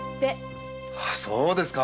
そうですか。